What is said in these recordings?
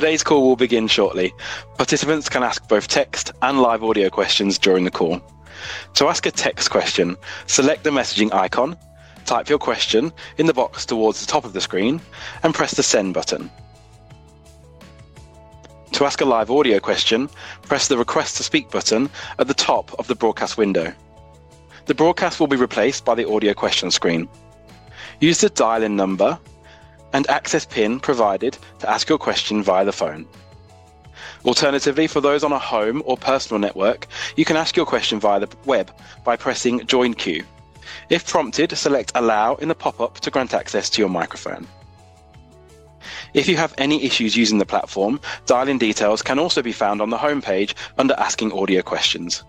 Today's call will begin shortly. Participants can ask both text and live audio questions during the call. To ask a text question, select the messaging icon, type your question in the box towards the top of the screen, and press the Send button. To ask a live audio question, press the Request to Speak button at the top of the broadcast window. The broadcast will be replaced by the Audio question screen. Use the dial-in number and access pin provided to ask your question via the phone. Alternatively, for those on a home or personal network, you can ask your question via the web by pressing Join Queue. If prompted, select Allow in the pop-up to grant access to your microphone. If you have any issues using the platform, dial in. Details can also be found on the homepage under Asking Audio Questions.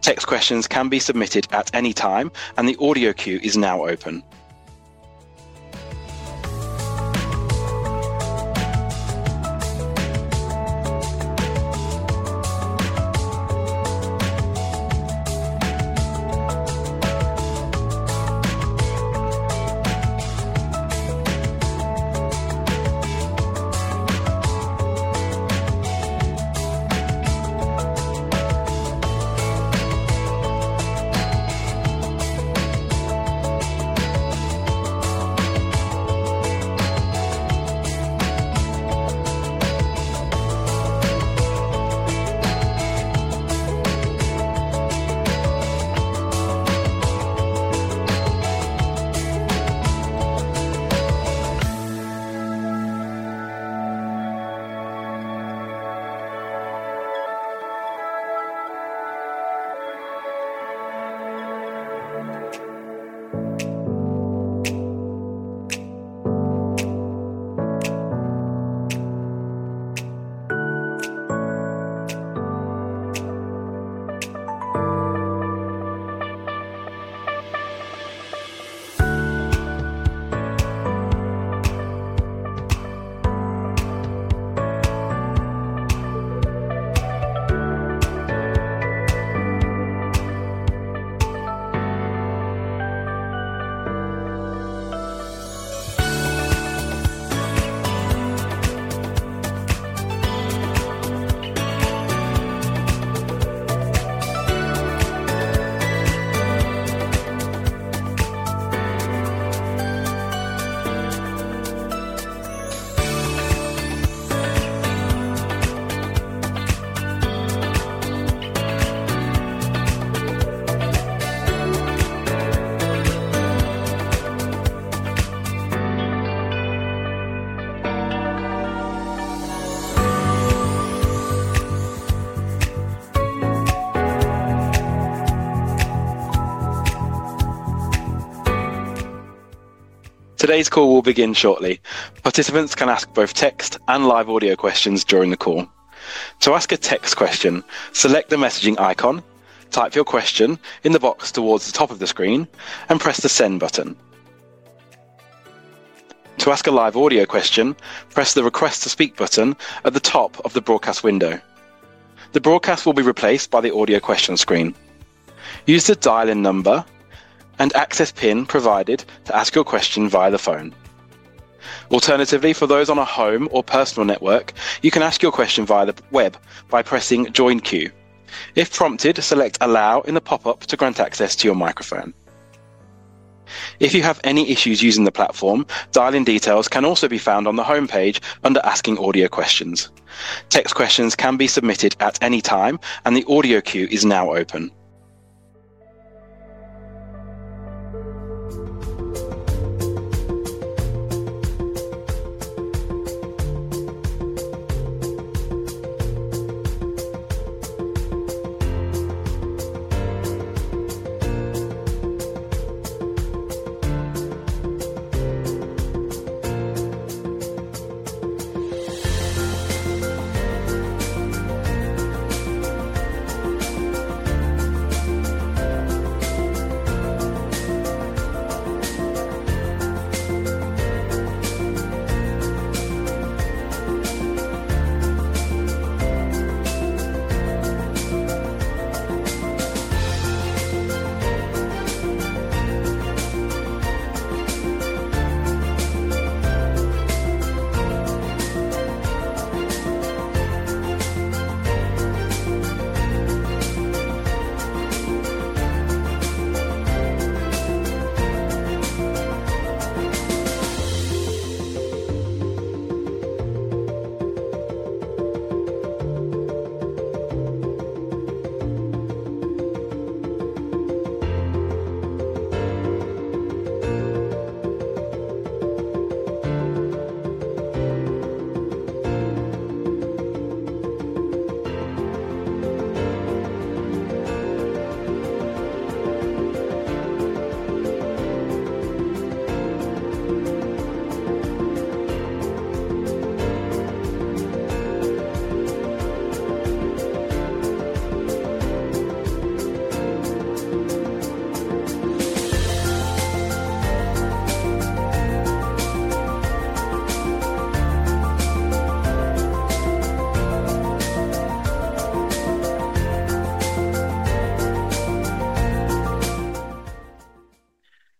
Text questions can be submitted at any time and the audio queue is now open. Today's call will begin shortly. Participants can ask both text and live audio questions during the call. To ask a text question, select the messaging icon, type your question in the box towards the top of the screen, and press the Send button. To ask a live audio question, press the Request to Speak button at the top of the broadcast window. The broadcast will be replaced by the Audio question screen. Use the dial-in number and access pin provided to ask your question via the phone. Alternatively, for those on a home or personal network, you can ask your question via the web by pressing Join Queue. If prompted, select Allow in the pop-up to grant access to your microphone. If you have any issues using the platform, dial in. Details can also be found on the homepage under Asking Audio Questions. Text questions can be submitted at any time and the audio queue is now open.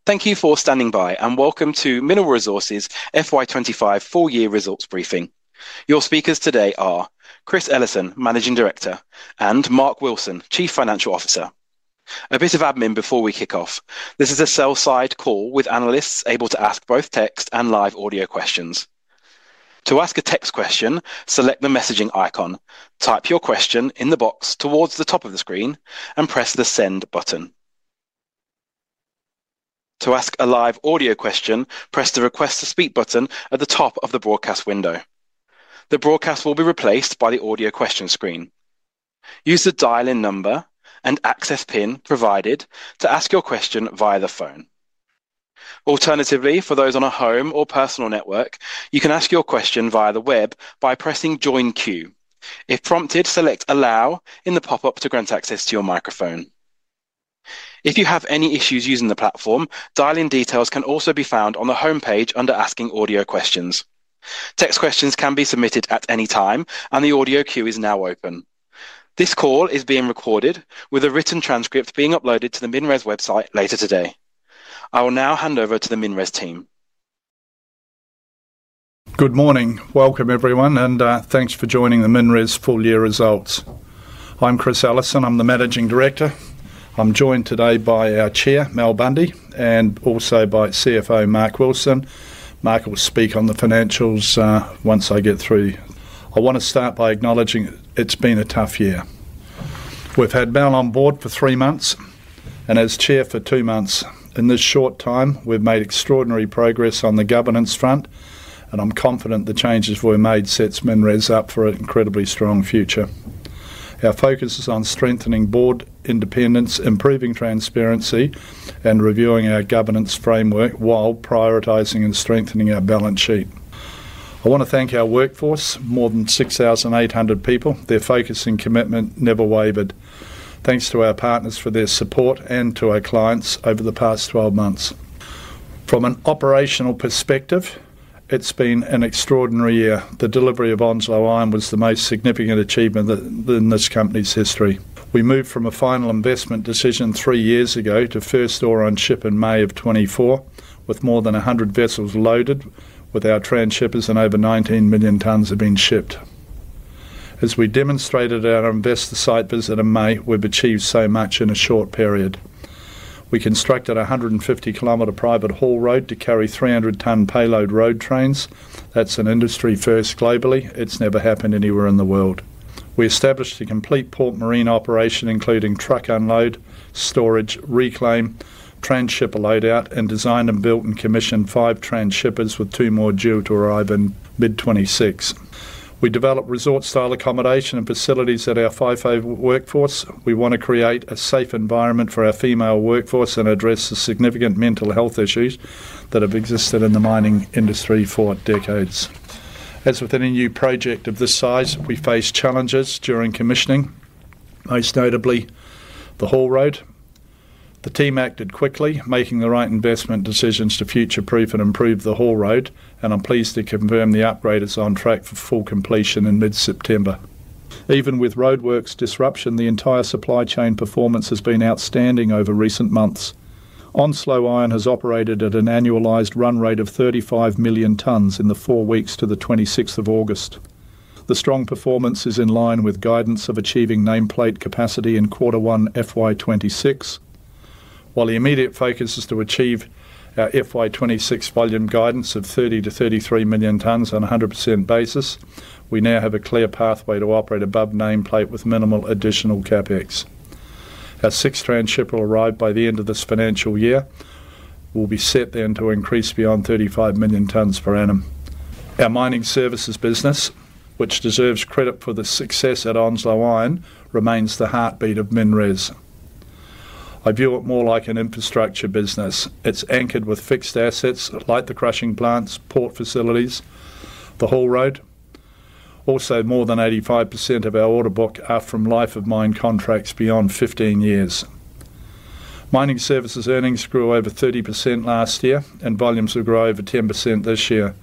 Thank you for standing by and welcome to Mineral Resources FY 2025 Full Year Results Briefing. Your speakers today are Chris Ellison, Managing Director, and Mark Wilson, Chief Financial Officer. A bit of admin before we kick off. This is a sell-side call with analysts able to ask both text and live audio questions. To ask a text question, select the messaging icon. Type your question in the box towards the top of the screen and press the Send button. To ask a live audio question, press the Request to Speak button at the top of the broadcast window. The broadcast will be replaced by the Audio question screen. Use the dial-in number and access pin provided to ask your question via the phone. Alternatively, for those on a home or personal network, you can ask your question via the web by pressing Join Queue. If prompted, select Allow in the pop-up to grant access to your microphone. If you have any issues using the platform, dial in. Details can also be found on the homepage under Asking audio questions. Text questions can be submitted at any time, and the audio queue is now open. This call is being recorded, with a written transcript being uploaded to the Mineral Resources website later today. I will now hand over to the Mineral Resources team. Good morning. Welcome everyone and thanks for joining the MinRes Full Year Results. I'm Chris Ellison. I'm the Managing Director. I'm joined today by our Chair Mal Bundey and also by CFO Mark Wilson. Mark will speak on the financials once I get through. I want to start by acknowledging it's been a tough year. We've had Mal on Board for three months and as Chair for two months. In this short time, we've made extraordinary progress on the governance front and I'm confident the changes we made set MinRes up for an incredibly strong future. Our focus is on strengthening Board independence, improving transparency, and reviewing our governance framework while prioritizing and strengthening our balance sheet. I want to thank our workforce, more than 6,800 people. Their focus and commitment never wavered. Thanks to our partners for their support and to our clients over the past 12 months. From an operational perspective, it's been an extraordinary year. The delivery of Onslow Iron was the most significant achievement in this company's history. We moved from a final investment decision three years ago to first ore on ship in May of 2024 with more than 100 vessels loaded with our transshippers and over 19 million tons have been shipped. As we demonstrated at our investor site visit in May, we've achieved so much in a short period. We constructed a 150 km private haul road to carry 300 ton payload road trains. That's an industry first globally. It's never happened anywhere in the world. We established a complete port marine operation including truck unload, storage, reclaim, transshipper, loadout, and designed, built, and commissioned five transshippers with two more due to arrive in mid 2026. We developed resort style accommodation and facilities at our FIFO workforce. We want to create a safe environment for our female workforce and address the significant mental health issues that have existed in the mining industry for decades. As with any new project of this size, we faced challenges during commissioning, most notably the haul road. The team acted quickly, making the right investment decisions to future proof and improve the haul road. I'm pleased to confirm the upgrade is on track for full completion in mid-September. Even with roadworks disruption, the entire supply chain performance has been outstanding. Over recent months, Onslow Iron has operated at an annualized run rate of 35 million tons in the four weeks to 26 August. The strong performance is in line with guidance of achieving nameplate capacity in quarter one FY 2026. While the immediate focus is to achieve our FY 2026 volume guidance of 30 million tons-33 million tons on 100% basis, we now have a clear pathway to operate above nameplate with minimal additional CapEx. Our sixth transship will arrive by the end of this financial year. Will be set then to increase beyond 35 million tons/annum. Our mining services business, which deserves credit for the success at Onslow Iron, remains the heartbeat of MinRes. I view it more like an infrastructure business. It's anchored with fixed assets like the crushing plants, port facilities, the haul road. Also, more than 85% of our order book are from life-of-mine contracts beyond 15 years. Mining services earnings grew over 30% last year and volumes will grow over 10% this year.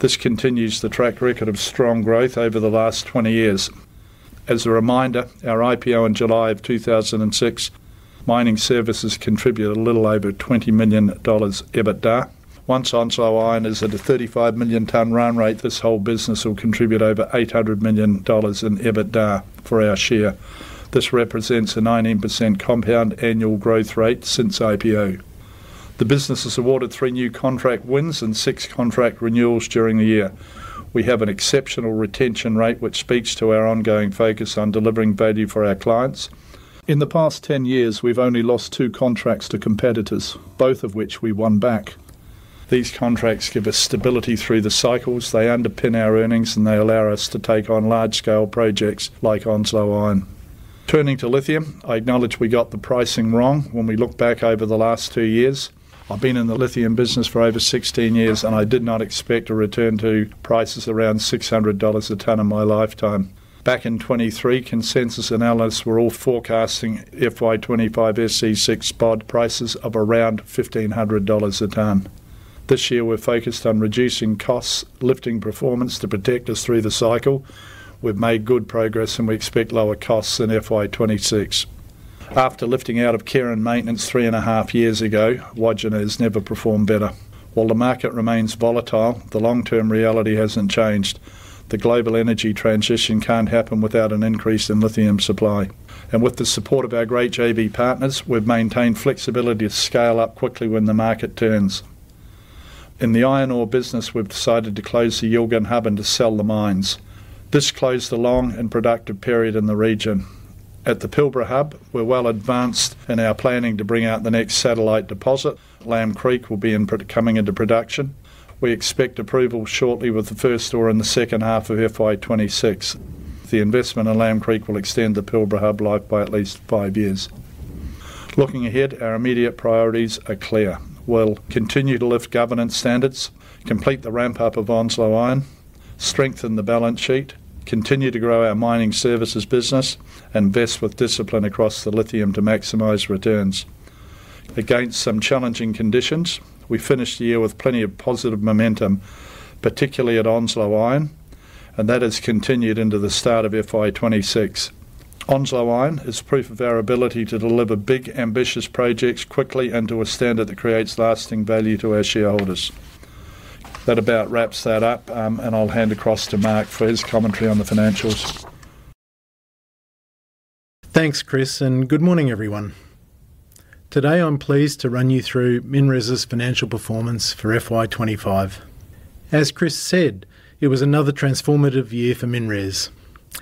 This continues the track record of strong growth over the last 20 years. As a reminder, our IPO in July of 2006 mining services contributed a little over $20 million EBITDA. Once Onslow Iron is at a 35 million ton run rate, this whole business will contribute over $800 million in EBITDA for our share. This represents a 19% compound annual growth rate since IPO. The business is awarded three new contract wins and six contract renewals during the year. We have an exceptional retention rate which speaks to our ongoing focus on delivering value for our clients. In the past 10 years we've only lost two contracts to competitors, both of which we won back. These contracts give us stability through the cycles. They underpin our earnings and they allow us to take on large scale projects like Onslow Iron. Turning to lithium, I acknowledge we got the pricing wrong when we look back over the last two years. I've been in the lithium business for over 16 years and I did not expect a return to prices around $600 a ton in my lifetime. Back in 2023 consensus analysts were all forecasting FY 2025 SC6 spod prices of around $1,500 a ton. This year we're focused on reducing costs, lifting performance to protect us through the cycle. We've made good progress and we expect lower costs than FY 2026. After lifting out of care and maintenance three and a half years ago, Wodgina has never performed better. While the market remains volatile, the long term reality hasn't changed. The global energy transition can't happen without an increase in lithium supply. With the support of our great JV partners, we've maintained flexibility to scale up quickly when the market turns in the iron ore business. We've decided to close the Yilgarn Hub and to sell the mines. This closed the long and productive period in the region. At the Pilbara Hub, we're well advanced and are planning to bring out the next satellite deposit. Lamb Creek will be coming into production. We expect approval shortly with the first ore in the second half of FY 2026. The investment in Lamb Creek will extend the Pilbara Hub life by at least five years. Looking ahead, our immediate priorities are clear. We'll continue to lift governance standards, complete the ramp up of Onslow Iron, strengthen the balance sheet, continue to grow our mining services business, invest with discipline across the lithium to maximize returns against some challenging conditions. We finished the year with plenty of positive momentum, particularly at Onslow Iron, and that has continued into the start of FY 2026. Onslow Iron is proof of our ability to deliver big ambitious projects quickly and to a standard that creates lasting value to our shareholders. That about wraps that up and I'll hand across to Mark for his commentary on the financials. Thanks Chris and good morning everyone. Today I'm pleased to run you through MinRes's financial performance for FY 2025. As Chris said, it was another transformative year for MinRes,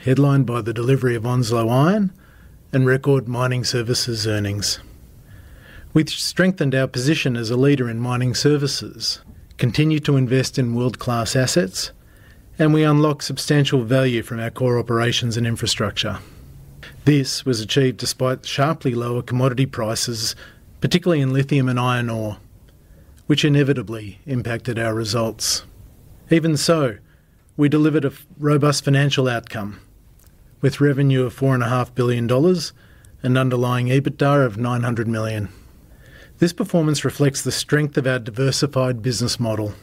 headlined by the delivery of Onslow Iron and record Mining Services earnings. We strengthened our position as a leader in Mining Services, continued to invest in world-class assets, and we unlocked substantial value from our core operations and infrastructure. This was achieved despite sharply lower commodity. Prices, particularly in lithium and iron ore. Which inevitably impacted our results. Even so, we delivered a robust financial outcome with revenue of $4.5 billion. Underlying EBITDA of $900 million. This performance reflects the strength of our diversified business model,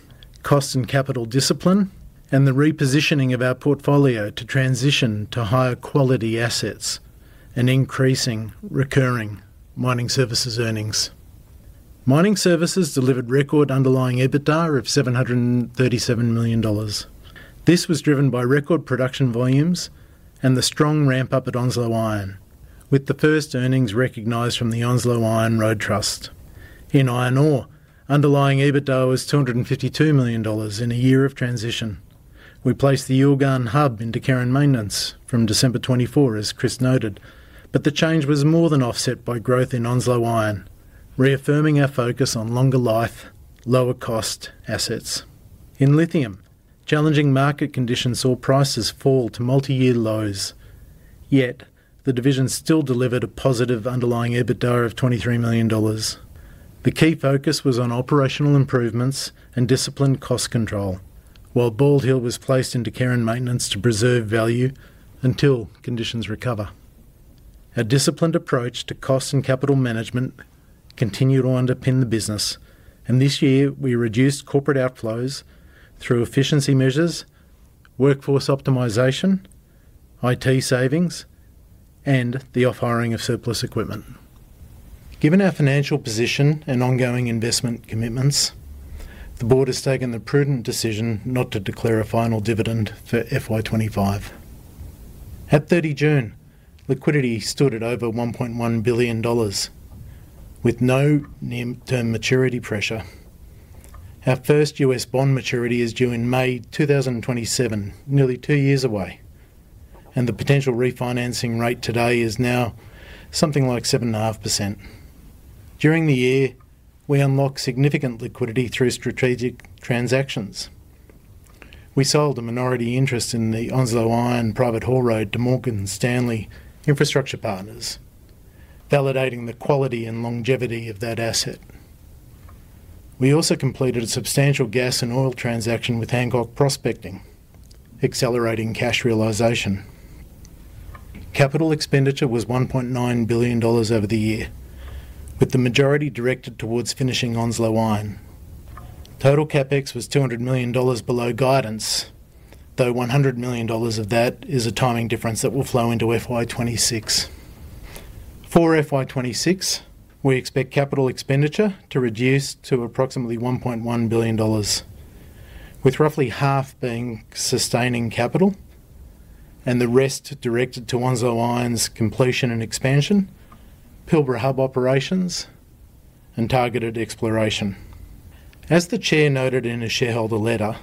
cost and capital discipline, and the repositioning of our portfolio to transition to higher quality assets and increasing recurring mining services earnings. Mining Services delivered record underlying EBITDA of $737 million. This was driven by record production volumes and the strong ramp up at Onslow Iron with the first earnings recognized from the Onslow Iron Road Trust in iron ore. Underlying EBITDA was $252 million. In a year of transition, we placed the Yilgarn Hub into care and maintenance from December 24 as Chris noted. The change was more than offset by growth in Onslow Iron, reaffirming our focus on longer life, lower cost assets. In lithium, challenging market conditions saw prices fall to multi-year lows. Yet the division still delivered a positive underlying EBITDA of $23 million. The key focus was on operational improvements and disciplined cost control, while Bald Hill was placed into care and maintenance to preserve value until conditions recover. A disciplined approach to cost and capital management continues to underpin the business, and this year we reduced corporate outflows through efficiency measures, workforce optimization, IT savings, and the off-hiring of surplus equipment. Given our financial position and ongoing investment commitments, the Board has taken the prudent decision not to declare a final dividend for FY 2025. At June 30, liquidity stood at over $1.1 billion with no near-term maturity pressure. Our first U.S. bond maturity is due in May 2027, nearly two years away, and the potential refinancing rate today is now something like 7.5%. During the year, we unlocked significant liquidity through strategic transactions. We sold a minority interest in the Onslow Iron private haul road to Morgan Stanley and infrastructure partners, validating the quality and longevity of that asset. We also completed a substantial gas and oil transaction with Hancock Prospecting, accelerating cash realization. Capital expenditure was $1.9 billion over the year with the majority directed towards finishing Onslow Iron. Total CapEx was $200 million below guidance, though $100 million of that is a timing difference that will flow into FY 2026. For FY 2026, we expect capital expenditure to reduce to approximately $1.1 billion with roughly half being sustaining capital and the rest directed to Onslow Iron's completion and expansion, Pilbara Hub operations, and targeted exploration. As the Chair noted in a shareholder letter,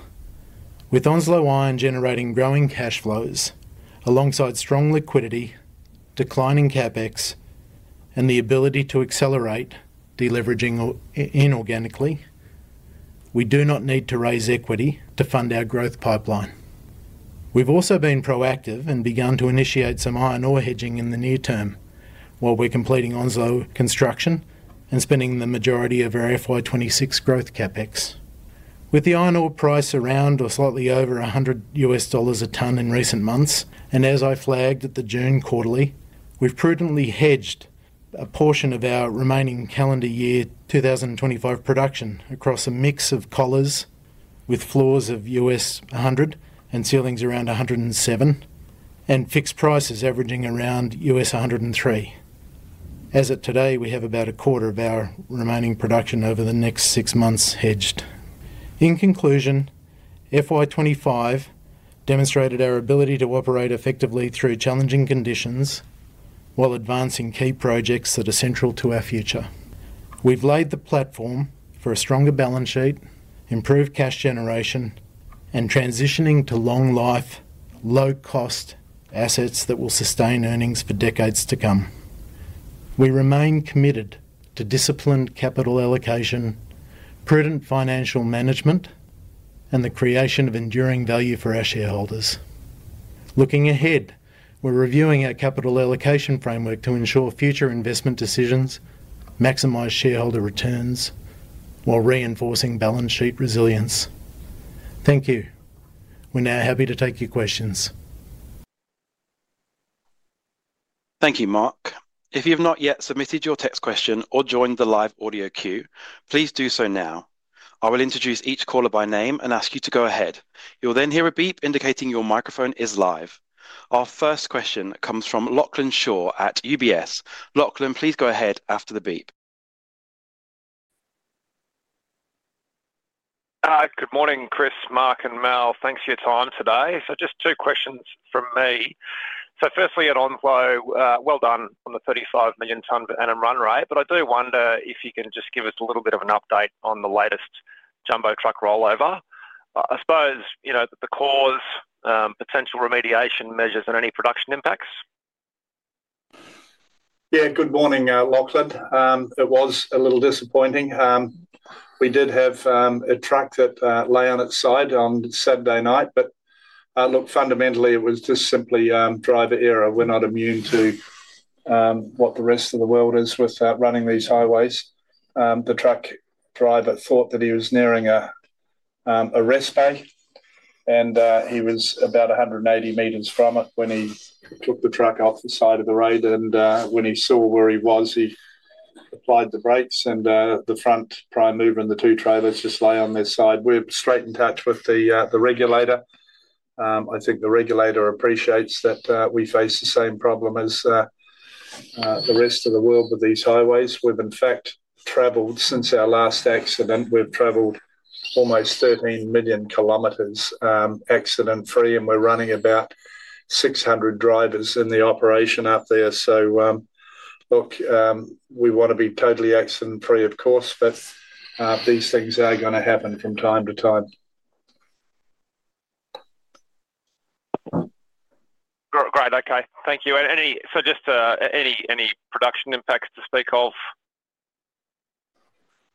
with Onslow Iron generating growing cash flows alongside strong liquidity, declining CapEx, and the ability to accelerate deleveraging inorganically, we do not need to raise equity to fund our growth pipeline. We've also been proactive and begun to initiate some iron ore hedging in the near term while we're completing Onslow construction and spending the majority of FY 2026 growth CapEx. With the iron ore price around or slightly over $100 a ton in recent months, and as I flagged at the June quarterly, we've prudently hedged a portion of our remaining calendar year 2025 production across a mix of collars with floors of $107 and fixed prices averaging around $103. As of today, we have about a quarter of our remaining production over the next six months hedged. In conclusion, FY 2025 demonstrated our ability to operate effectively through challenging conditions while advancing key projects that are central to our future. We've laid the platform for a stronger balance sheet, improved cash generation, and transitioning to long-life, low-cost assets that will sustain earnings for decades to come. We remain committed to disciplined capital allocation, prudent financial management, and the creation of enduring value for our shareholders. Looking ahead, we're reviewing our capital allocation framework to ensure future investment decisions maximize shareholder returns while reinforcing balance sheet resilience. Thank you. We're now happy to take your questions. Thank you, Mark. If you have not yet submitted your text question or joined the live audio queue, please do so now. I will introduce each caller by name and ask you to go ahead. You will then hear a beep indicating your microphone is live. Our first question comes from Lachlan Shaw at UBS. Lachlan, please go ahead after the beep. Good morning Chris, Mark and Mal. Thanks for your time today. Just two questions from me. Firstly at Onslow, well done on the 35 million ton per annum run rate. I do wonder if you can just give us a little bit of an update on the latest jumbo truck rollover. I suppose you know the cause, potential remediation measures and any production impacts? Yeah. Good morning, Lachlan. It was a little disappointing. We did have a truck that lay on its side on Saturday night. Fundamentally, it was just simply driver error. We're not immune to what the rest of the world is with running these highways. The truck driver thought that he was nearing a rest bay and he was about 180 m from it when he took the truck off the side of the road. When he saw where he was, he applied the brakes and the front prime mover and the two trailers just lie on their side. We're straight in touch with the regulator. I think the regulator appreciates that we face the same problem as the rest of the world with these highways. We've in fact traveled since our last accident almost 13 million km accident free. We're running about 600 drivers in the operation up there. We want to be totally accident free. Of course, these things are going to happen from time to time. Great, okay, thank you. Just any production impacts to speak of?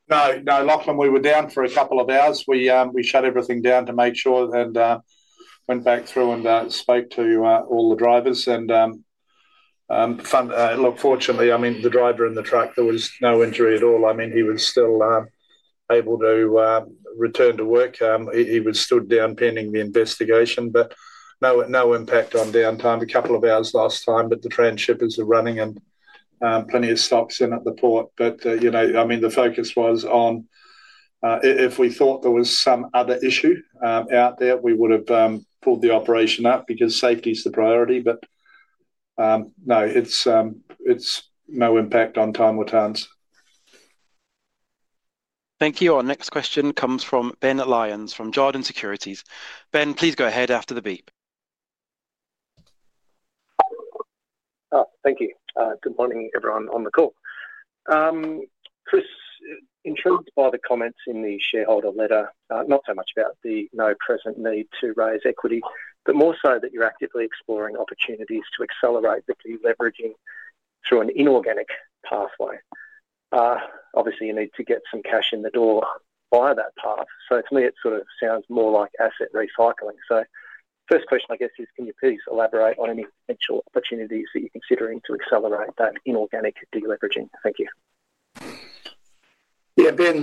No, no, Lachlan, we were down for a couple of hours. We shut everything down to make sure and went back through and spoke to all the drivers. Fortunately, the driver in the truck, there was no injury at all. He was still able to return to work. He was still down pending the investigation. No impact on downtime, a couple of hours last time. The trans shippers were running and plenty of stops in at the port. The focus was on if we thought there was some other issue out there, we would have pulled the operation up because safety is the priority. No, it's no impact on time returns. Thank you. Our next question comes from Ben Lyons from Jarden Securities. Ben, please go ahead after the beep. Thank you. Good morning everyone on the call. Chris, intrigued by the comments in the shareholder letter. Not so much about the no present need to raise equity, but more so that you're actively exploring opportunities to accelerate the key leveraging through an inorganic pathway. Obviously you need to get some cash in the door via that path. To me it sort of sounds more like asset recycling. First question I guess is can you please elaborate on any potential opportunities that you're considering to accelerate that inorganic deleveraging? Thank you. Yeah, Ben.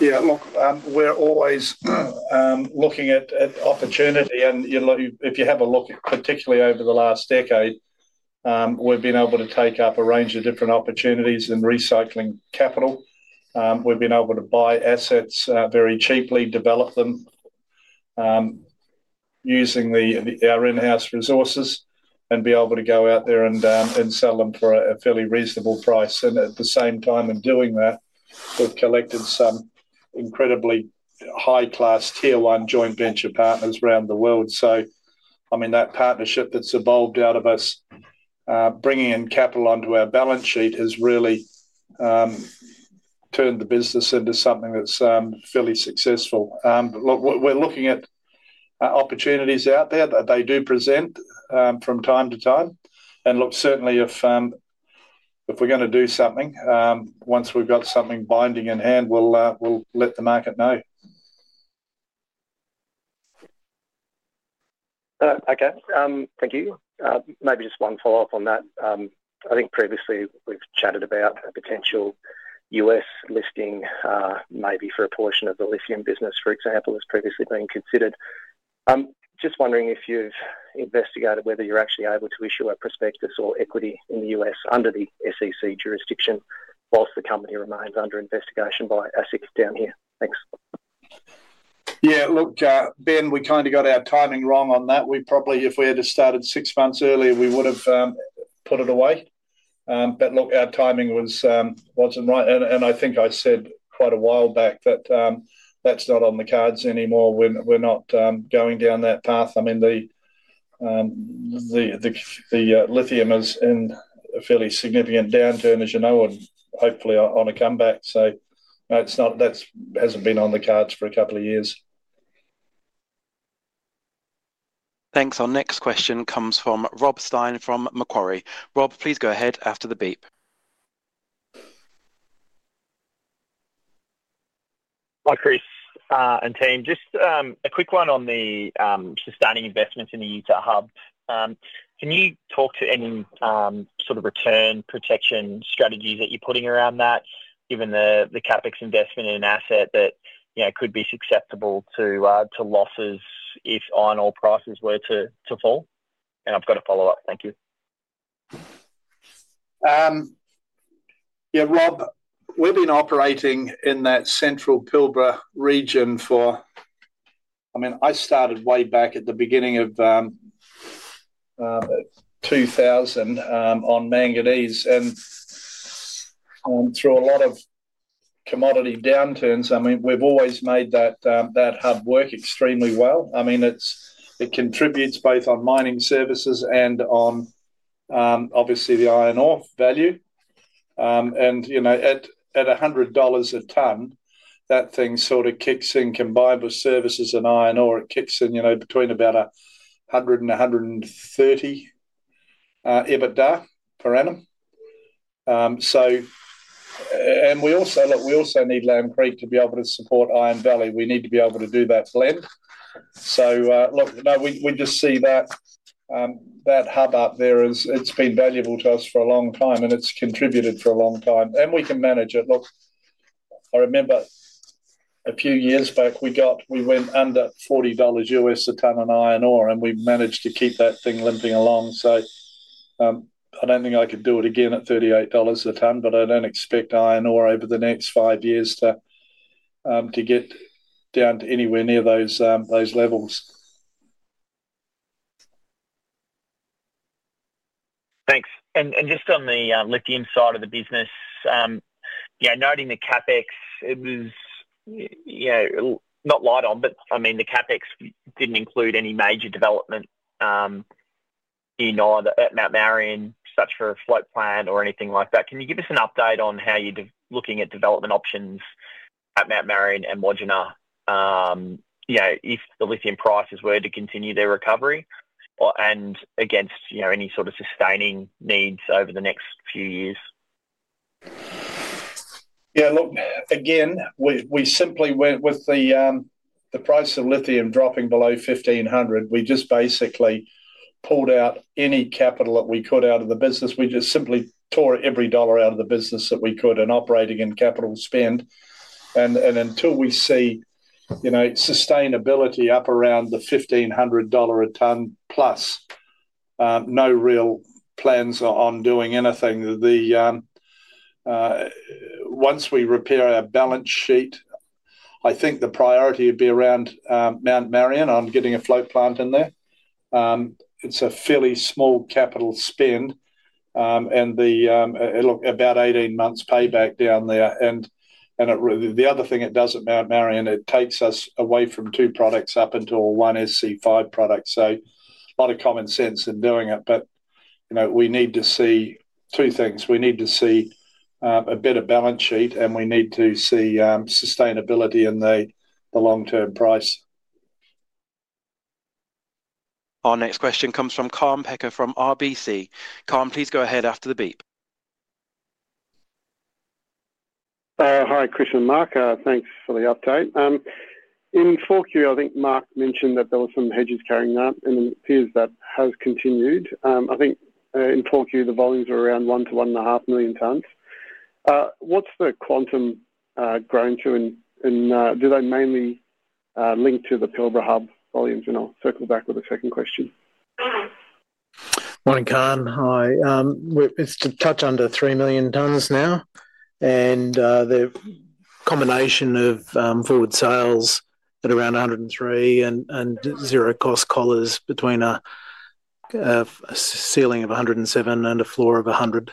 Yeah. Look, we're always looking at opportunity, and if you have a look, particularly over the last decade, we've been able to take up a range of different opportunities in recycling capital. We've been able to buy assets very cheaply, develop them using our in-house resources, and be able to go out there and sell them for a fairly reasonable price. At the same time, in doing that, we've collected some incredibly high-class Tier 1 joint venture partners around the world. That partnership that's evolved out of us bringing in capital onto our balance sheet has really turned the business into something that's fairly successful. We're looking at opportunities out there that do present from time to time. Certainly, if we're going to do something, once we've got something binding in hand, we'll let the market know. Okay, thank you. Maybe just one follow-up on that. I think previously we've chatted about a potential U.S. listing, maybe for a portion of the lithium business, for example, has previously been considered. Just wondering if you've investigated whether you're actually able to issue a prospectus or equity in the U.S. under the SEC jurisdiction whilst the company remains under investigation by ASIC down here. Thanks. Yeah, look Ben, we kind of got our timing wrong on that. We probably, if we had started six months earlier, we would have put it away. Our timing wasn't right, and I think I said quite a while back that that's not on the cards anymore. We're not going down that path. I mean the lithium is in a fairly significant downturn, as you know, and hopefully on a comeback. That hasn't been on the cards for a couple of years. Thanks. Our next question comes from Rob Stein from Macquarie. Rob, please go ahead after the beep. Hi Chris and team, just a quick one on the sustaining investments in the Utah Hub. Can you talk to any sort of return protection strategies that you're putting around that given the CapEx investment in an asset that could be susceptible to losses if iron ore prices were to fall? I've got a follow up. Thank you. Yeah Rob, we've been operating in that central Pilbara region for, I mean, I started way back at the beginning of 2000 on manganese and through a lot of commodity downturns. We've always made that hub work extremely well. It contributes both on Mining Services and on obviously the Iron Ore value and you know at $100 a ton that thing sort of kicks in combined with services and Iron Ore, it kicks in between about $100 and $130 EBITDA per annum. We also need Lamb Creek to be able to support Iron Valley. We need to be able to do that lending. We just see that hub up there, it's been valuable to us for a long time and it's contributed for a long time and we can manage it. I remember a few years back we went under $40 a ton on Iron Ore and we managed to keep that thing limping along. I don't think I could do it again at $38 a ton but I don't expect Iron Ore over the next five years to get down to anywhere near those levels. Thanks. Just on the lithium side of the business, noting the CapEx, it was not light on, but the CapEx didn't include any major development at Mount Marion, such as for a float plant or anything like that. Can you give us an update on how you are looking at development options at Mount Marion and Wodgina if the lithium prices were to continue their recovery and against any sort of sustaining needs over the next few years? Yeah, look again we simply went with the price of lithium dropping below $1,500. We just basically pulled out any capital that we could out of the business. We just simply tore every dollar out of the business that we could in operating and capital spend. Until we see, you know, sustainability up around the $1,500 a ton+, no real plans on doing anything. Once we repair our balance sheet, I think the priority would be around Mount Marion on getting a float plant in there. It's a fairly small capital spend and about 18 months payback down there. The other thing it does at Mount Marion, it takes us away from two products up until one SC5 product. A lot of common sense in doing it. We need to see two things. We need to see a better balance sheet and we need to see sustainability in the long-term price. Our next question comes from Kaan Peker from RBC. Kaan, please go ahead after the beep. Hi, Chris and Mark. Thanks for the update. In 4Q, I think Mark mentioned that there were some hedges carrying that, and it appears that has continued. I think in 4Q the volumes are around 1 million ton-1.5 million tons. What's the quantum grown to? Do they mainly link to the Pilbara Hub volumes? I'll circle back with the second question. Morning Kaan. Hi. It's to touch under 3 million tons now, and the combination of forward sales at around $103 and zero cost collars between a ceiling of $107 and a floor of $100.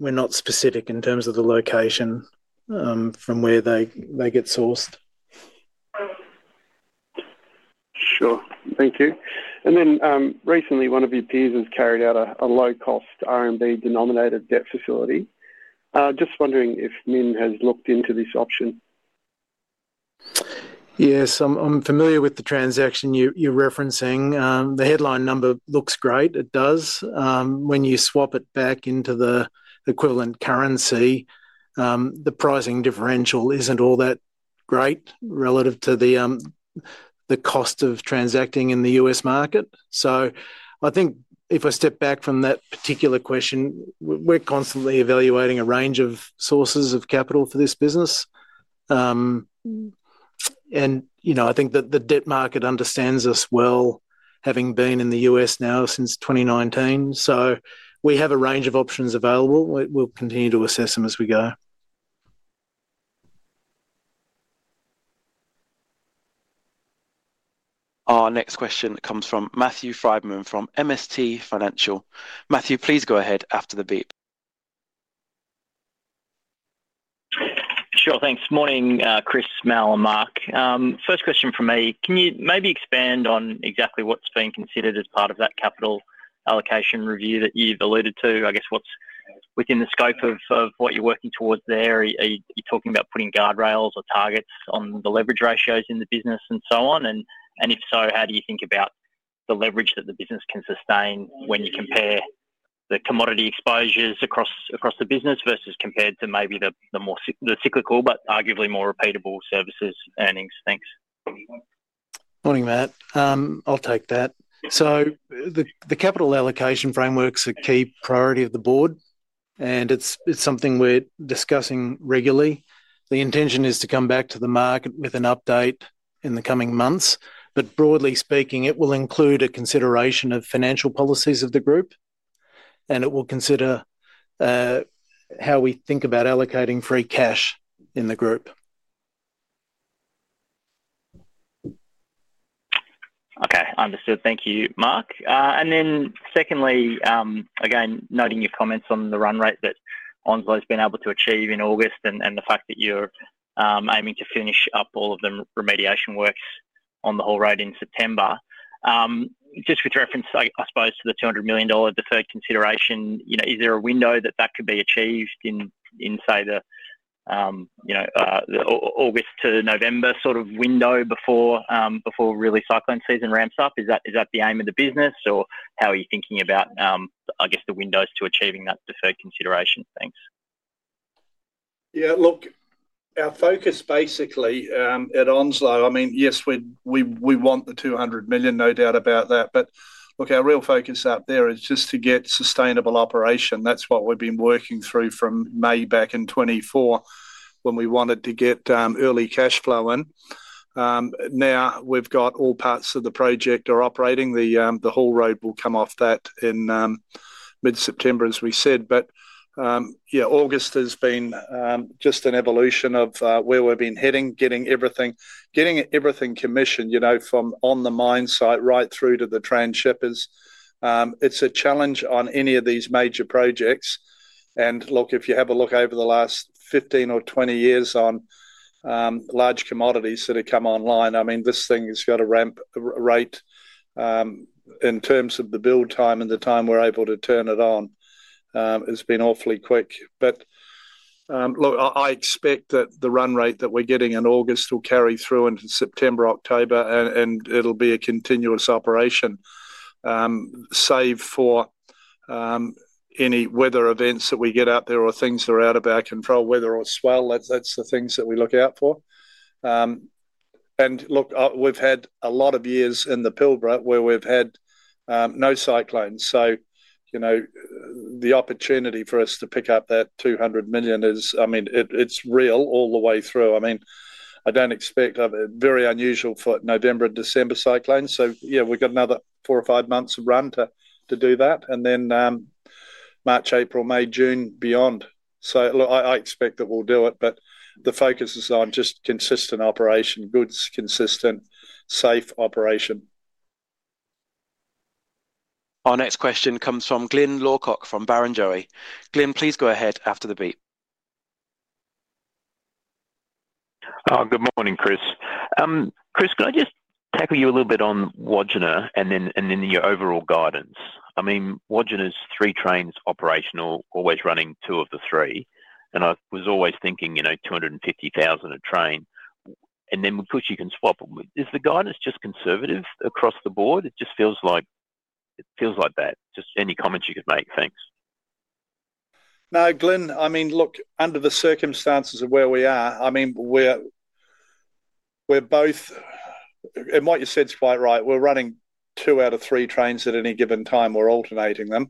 We're not specific in terms of the location from where they get sourced. Sure. Thank you. Recently, one of your peers has carried out a low cost RMB denominated debt facility. Just wondering if MinRes has looked into this option. Yes, I'm familiar with the transaction you're referencing. The headline number looks great. It does. When you swap it back into the equivalent currency, the pricing differential isn't all that great relative to the cost of transacting in the U.S. market. I think if I step back from that particular question, we're constantly evaluating a range of sources of capital for this business, and I think that the debt market understands us well, having been in the U.S. now since 2019. We have a range of options available. We'll continue to assess them as we go. Our next question comes from Matthew Frydman from MST Financial. Matthew, please go ahead after the beep. Sure. Thanks. Morning, Chris, Mal, and Mark. First question for me. Can you maybe expand on exactly what's been considered as part of that capital allocation review that you've alluded to? I guess what's within the scope of what you're working towards there? Are you talking about putting guardrails or targets on the leverage ratios in the business and so on? If so, how do you think about the leverage that the business can sustain when you compare the commodity exposures across the business versus compared to maybe the cyclical but arguably more repeatable services earnings? Thanks. Morning, Matt. I'll take that. The capital allocation framework's a key priority of the Board, and it's something we're discussing regularly. The intention is to come back to the market with an update in the coming months. Broadly speaking, it will include a consideration of financial policies of the group, and it will consider how we think about allocating free cash in the group. Okay, understood. Thank you, Mark. Secondly, noting your comments on the run rate that Onslow Iron has been able to achieve in August and the fact that you're aiming to finish up all of the remediation works on the haul road in September, just with reference to the $200 million deferred consideration. Is there a window that could be achieved in, say, the August to November sort of window before cyclone season really ramps up? Is that the aim of the business or how are you thinking about the windows to achieving that deferred consideration? Thanks. Yeah, look, our focus basically at Onslow, I mean yes, we want the $200 million, no doubt about that. Look, our real focus out there is just to get sustainable operation. That's what we've been working through from May back in 2024 when we wanted to get early cash flow in. Now we've got all parts of the project operating. The whole road will come off that in mid September as we said. August has been just an evolution of where we've been heading, getting everything commissioned from on the mine site right through to the trans shippers. It's a challenge on any of these major projects. If you have a look over the last 15 or 20 years on large commodities that have come online, I mean this thing has got a ramp rate in terms of the build time and the time we're able to turn it on. It's been awfully quick. I expect that the run rate that we're getting in August will carry through in September, October, and it'll be a continuous operation, save for any weather events that we get out there or things that are out of our control. Weather or swell, that's the things that we look out for. We've had a lot of years in the Pilbara where we've had no cyclones. The opportunity for us to pick up that $200 million is, I mean it's real all the way through. I don't expect very unusual. For November and December cyclones. Yeah, we've got another four or five months run to do that, and then March, April, May, June beyond. I expect that we'll do it. The focus is on just consistent operation, consistent safe operation. Our next question comes from Glyn Lawcock from Barrenjoey. Glyn, please go ahead after the beep. Good morning, Chris. Chris, could I just tackle you a little bit on Wodgina and then your overall guidance? I mean, Wodgina's three trains operational, always running two of the three, and I was always thinking, you know, 250,000 a train, and then, of course, you can swap. Is the guidance just conservative across the board? It just feels like that. Just any comments you could make. Thanks. No, Glyn, I mean, look, under the circumstances of where we are, I mean, we're running two out of three trains at any given time. We're alternating them.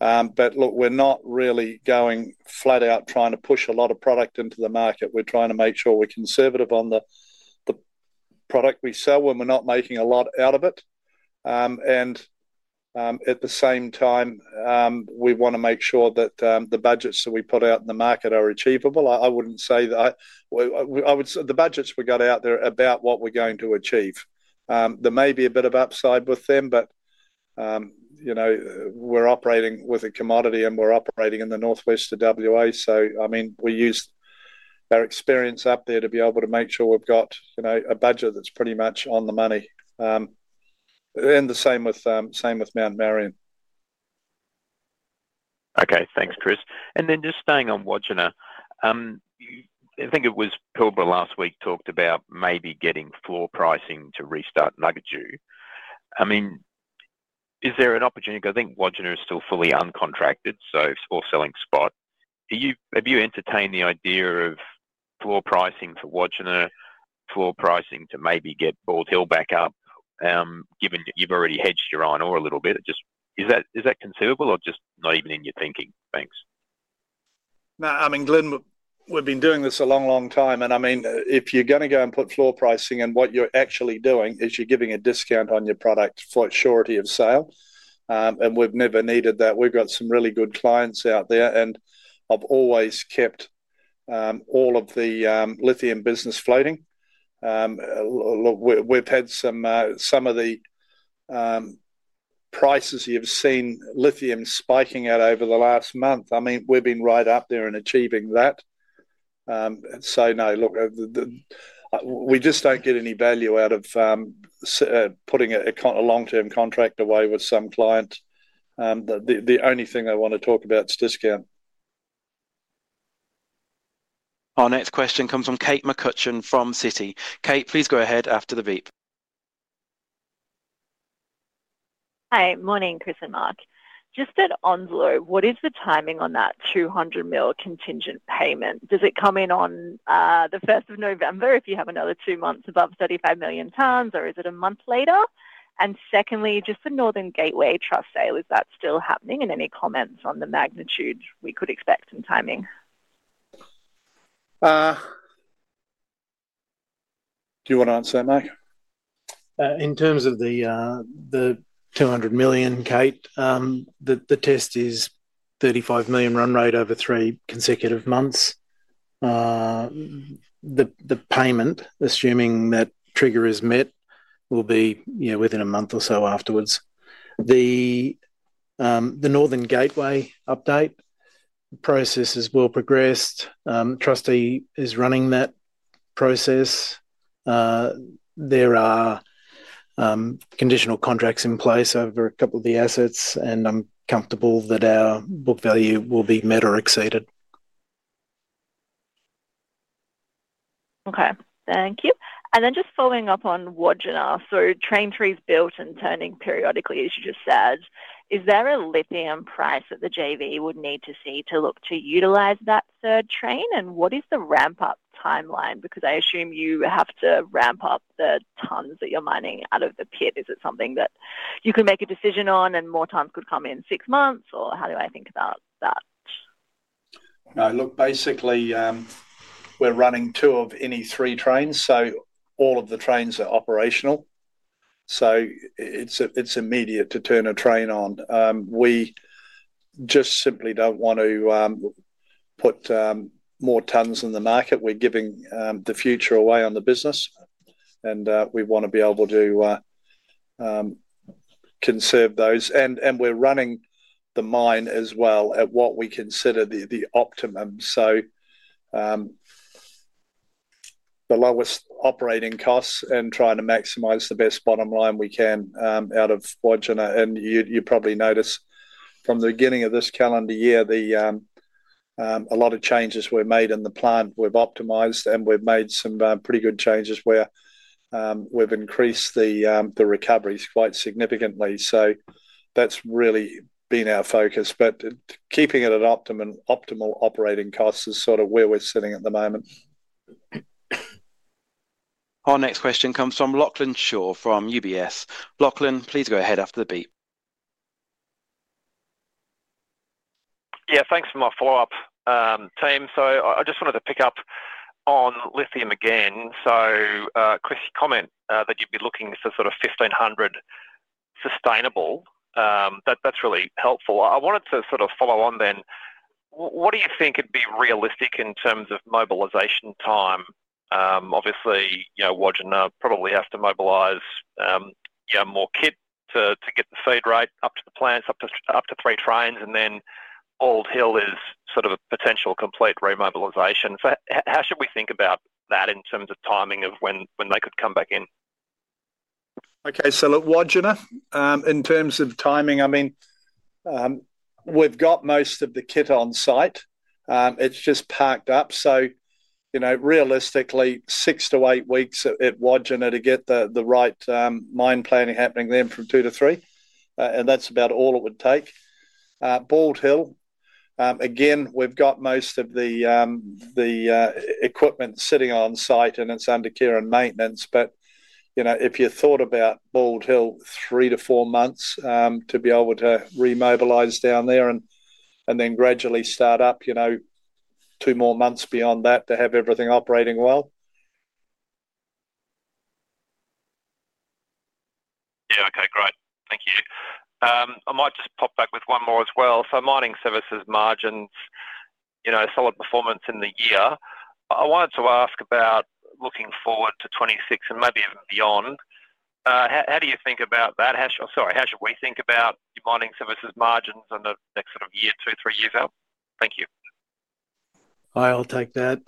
We're not really going flat out trying to push a lot of product into the market. We're trying to make sure we're conservative on the product we sell when we're not making a lot out of it. At the same time, we want to make sure that the budgets that we put out in the market are achievable. I wouldn't say that the budgets we got out there about what we're going to achieve, there may be a bit of upside with them, but, you know, we're operating with a commodity and we're operating in the northwest of WA. We used our experience up there to be able to make sure we've got a budget that's pretty much on the money. The same with. Same with Mount Marion. Okay, thanks, Chris. Just staying on Wodgina, I think it was Pilbara last week talked about maybe getting floor pricing to restart Ngungaju. I mean, is there an opportunity? I think Wodgina is still fully uncontracted. For selling spot, have you entertained the idea of floor pricing for Wodgina, floor pricing to maybe get Bald Hill back up, given you've already hedged your iron ore a little bit? Is that considerable or just not even in your thinking? Thanks. Now, I mean, Glyn, we've been doing this a long, long time. If you're going to go and put floor pricing in, what you're actually doing is you're giving a discount on your product for surety of sale, and we've never needed that. We've got some really good clients out there, and I've always kept all of the lithium business floating. We've had some. Some of the prices. You've seen lithium spiking out over the last month. I mean, we've been right up there and achieving that. Say no. Look, we just don't get any value out of putting a long-term contract away with some client. The only thing I want to talk about is discount. Our next question comes from Kate McCutcheon from Citi. Kate, please go ahead after the beep. Hi, morning, Chris and Mark. Just at Onslow, what is the timing on that $200 million contingent payment? Does it come in on the 1st of November if you have another two months above 35 million tons, or is it a month later? Secondly, just the Northern Gateway Trust sale, is that still happening, and any comments on the magnitude? We could expect some timing. Do you want to answer that, Mark? In terms of the $200 million, Kate, the test is $35 million run rate over three consecutive months. The payment, assuming that trigger is met, will be within a month or so afterwards. The Northern Gateway update process is well progressed. Trustee is running that process. There are conditional contracts in place over a couple of the assets, and I'm comfortable that our book value will be met or exceeded. Okay, thank you. Just following up on Wodgina. Train three is built and turning periodically as you just said. Is there a lithium price that the JV would need to see to look to utilize that third train? What is the ramp up timeline? I assume you have to ramp up the tons that you're mining out of the pit. Is it something that you can make a decision on and more tons could come in six months or how do I think about that? No, look, basically we're running two of any three trains, so all of the trains are operational. It's immediate to turn a train on. We just simply don't want to put more tons in the market. We're giving the future away on the business, and we want to be able to conserve those. We're running the mine as well at what we consider the optimum, so the lowest operating costs and trying to maximize the best bottom line we can out of Wodgina. You probably notice from the beginning of this calendar year a lot of changes were made in the plant. We've optimized, and we've made some pretty good changes where we've increased the recoveries quite significantly. That's really been our focus. Keeping it at optimal operating costs is sort of where we're sitting at the moment. Our next question comes from Lachlan Shaw from UBS. Lachlan, please go ahead after the beep. Yeah, thanks for my follow up team. I just wanted to pick up on lithium again. Chris, you comment that you'd be looking for sort of $1,500 sustainable. That's really helpful. I wanted to sort of follow on then. What do you think would be realistic in terms of mobilization time? Obviously, you know, Wodgina probably have to mobilize. You have more kit to get the feed rate up to the plants, up to three trains. Then Bald Hill is sort of a potential complete remobilization. How should we think about that in terms of timing of when they could come back in? Okay, so look, Wodgina, in terms of timing, I mean, we've got most of the kit on site. It's just parked up. Realistically, six to eight weeks at Wodgina to get the right mine planning happening, then from two to three, and that's about all it would take. Bald Hill, again, we've got most of the equipment sitting on site and it's under care and maintenance. If you thought about Bald Hill, three to four months to be able to remobilize down there and then gradually start up, two more months beyond that to have everything operating well. Okay, great. Thank you. I might just pop back with one more as well. Mining Services margins, you know, solid performance in the year. I wanted to ask about looking forward to 2026 and maybe even beyond. How do you think about that? How should we think about Mining Services margins in the next sort of year, two, three years out? Thank you. I'll take that.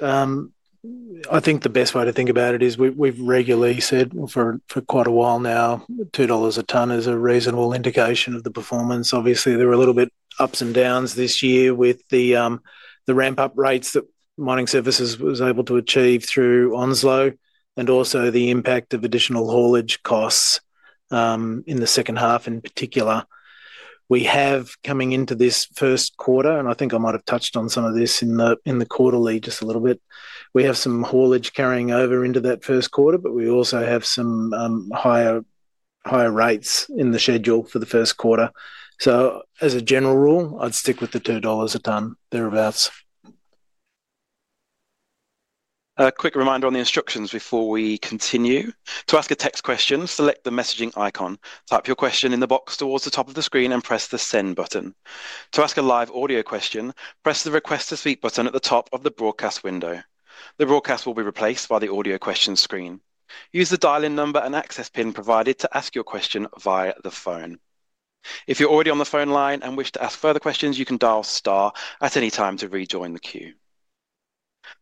I think the best way to think. About it is we've regularly said for quite a while now, $2 a ton is a reasonable indication of the performance. Obviously, there were a little bit ups and downs this year with the ramp up rates that Mining Services was able to achieve through Onslow and also the impact of additional haulage costs in the second half. In particular, we have coming into this first quarter, and I think I might have touched on some of this in the quarterly, just a little bit. We have some haulage carrying over into that first quarter, but we also have some higher rates in the schedule for the first quarter. As a general rule, I'd stick with the $2 a ton thereabouts. A quick reminder on the instructions before we continue. To ask a text question, select the messaging icon, type your question in the box towards the top of the screen, and press the send button. To ask a live audio question, press the request to speak button at the top of the broadcast window. The broadcast will be replaced by the audio question screen. Use the dial-in number and access pin provided to ask your question via the phone. If you're already on the phone line and wish to ask further questions, you can dial star at any time to rejoin the queue.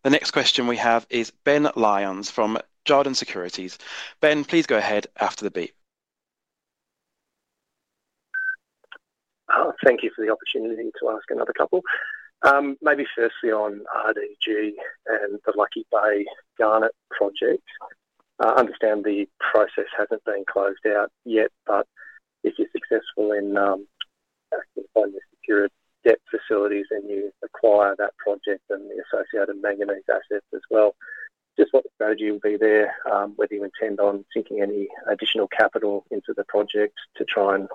The next question we have is Ben Lyons from Jarden Securities. Ben, please go ahead after the beep. Thank you for the opportunity to ask another couple maybe. Firstly on RDG and the Lucky Bay Garnet Project, I understand the process hasn't been closed out yet. If you're successful in debt facilities and you acquire that project and the associated manganese assets as well, just what strategy will be there, whether you intend on sinking any additional capital into the project to try and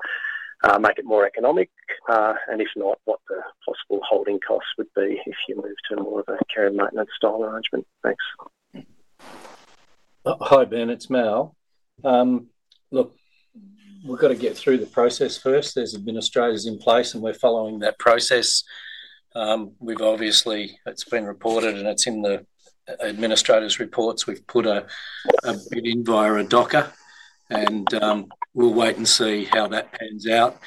make it more economic, and if not, what the possible holding costs would be if you move to more of a care and maintenance style arrangement? Thanks. Hi Ben, it's Mal. Look, we've got to get through the process first. There are administrators in place and we're following that process. Obviously, it's been reported and it's in the administrators' reports. We've put a via a docker and we'll wait and see how that pans out.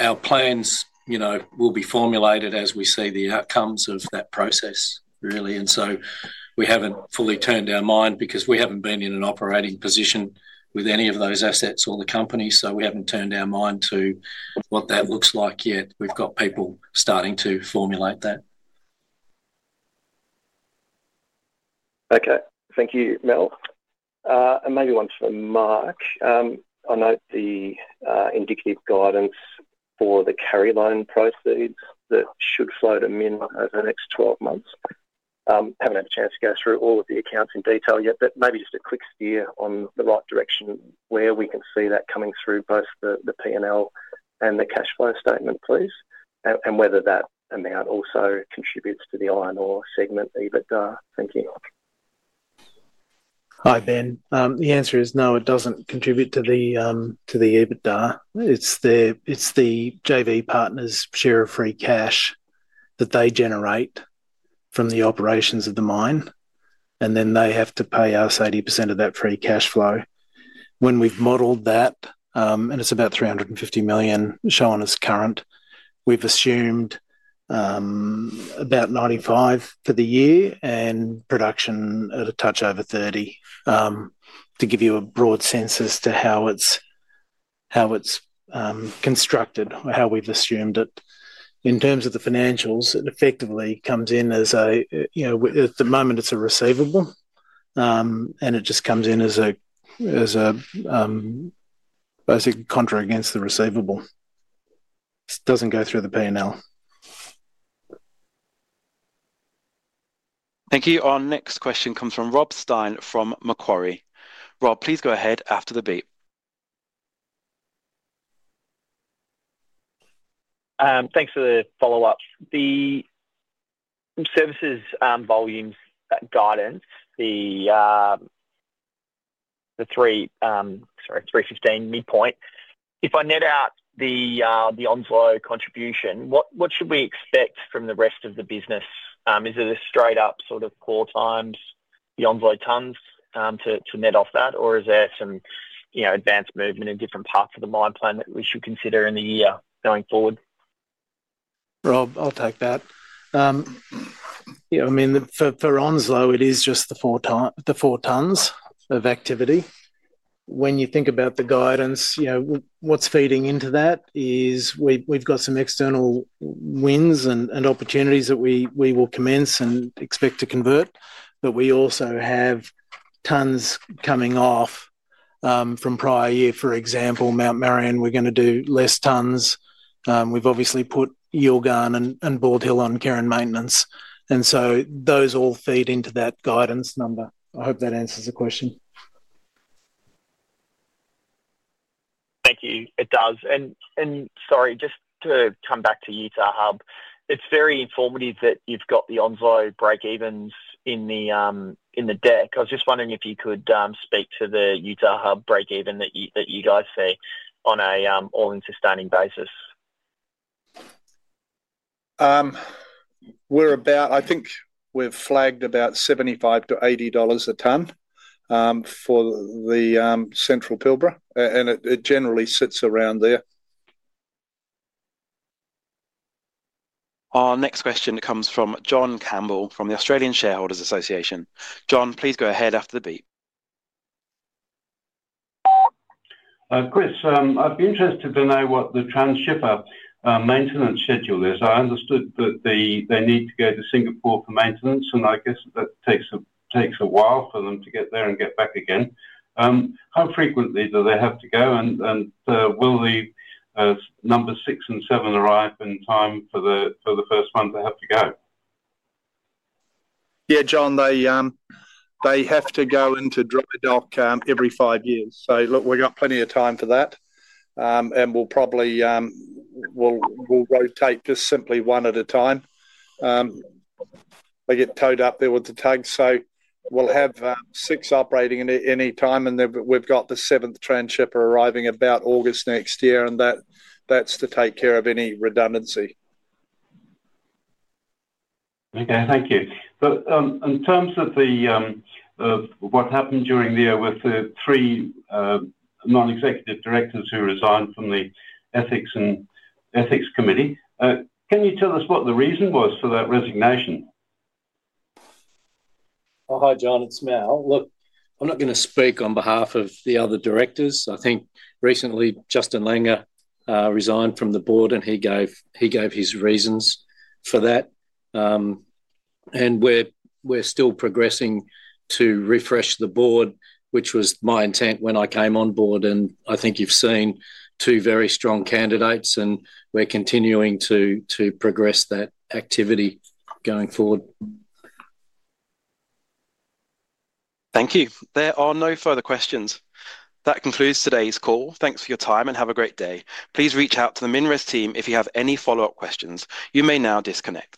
Our plans will be formulated as we see the outcomes of that process really. We haven't fully turned our mind because we haven't been in an operating position with any of those assets or the company. We haven't turned our mind to what that looks like yet. We've got people starting to formulate that. Okay, thank you Mal. Maybe once for Mark, I note the indicative guidance for the carry loan proceeds that should flow to Min over the next 12 months. Haven't had a chance to go through all of the accounts in detail yet, but maybe just a quick steer on the right direction where we can see that coming through both the P&L and the cash flow statement, please, and whether that amount also contributes to the iron ore segment EBITDA. Thank you. The answer is no, it doesn't contribute to the EBITDA. It's the JV partners' share of free cash that they generate from the operations of the mine, and then they have to pay us 80% of that free cash flow. When we've modeled that, it's about $350 million shown as current. We've assumed about $95 million for the year and production at a touch over 30. To give you a broad sense. To how it's constructed or how we've assumed it in terms of the financials, it effectively comes in as a receivable and it just comes in as a receivable. I think contra against the receivable. Doesn't go through the P&L. Thank you. Our next question comes from Rob Stein from Macquarie. Rob, please go ahead after the beep. Thanks for the follow up. The services volumes guidance, the 3:15 midpoint, if I net out the envoy contribution, what should we expect from the rest of the business? Is it a straight up sort of core times the envoy tons to net off that, or is there some advanced movement in different parts of the mine plan that we should consider in the year going forward? Rob, I'll take that. I mean for Onslow it is just the four tons of activity. When you think about the guidance, you know what's feeding into that is we've got some external wins and opportunities that we will commence and expect to convert, but we also have tons coming off from prior year. For example, Mount Marion we're going to do less tons of. We've obviously put Yilgarn Hub and Bald Hill on care and maintenance, and so those all feed into that guidance number. I hope that answers the question. Thank you. It does, and sorry, just to come back to Yilgarn Hub, it's very informative that you've got the Onslow break evens in the deck. I was just wondering if you could speak to the Yilgarn Hub breakeven that you guys see on an all-in sustaining basis. We're about, I think we've flagged about $75-$80 a ton for the Central Pilbara, and it generally sits around there. Our next question comes from John Campbell from the Australian Shareholders Association. John, please go ahead after the beep. Chris, I'd be interested to know what the transshipper maintenance schedule is. I understood that they need to go to Singapore for maintenance, and I guess that takes a while for them to get there and get back again. How frequently do they have to go, and will the number six and seven arrive in time for the first month they have to go? Yeah, John, they have to go. Into dry dock every five years. Look, we got plenty of time for that and we'll probably rotate just simply one at a time. They get towed up there with the tug, so we'll have six operating at any time, and then we've got the seventh transshipper arriving about August next year, and that's to take care of any redundancy. Okay, thank you. In terms of what happened during the year with the three non-executive directors who resigned from the Ethics and Ethics Committee, can you tell us what the reason was for that resignation? Hi, John, it's Mal. I'm not going to speak on behalf of the other directors. I think recently Justin Langer resigned from the board and he gave his reasons for that. We're still progressing to refresh the board, which was my intent when I came on board. I think you've seen two very strong candidates. We're continuing to progress that activity going forward. Thank you. There are no further questions. That concludes today's call. Thanks for your time and have a great day. Please reach out to the MinRes team if you have any follow up questions. You may now disconnect.